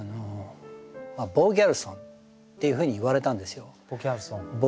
「ボーギャルソン」っていうふうに言われたんですよ。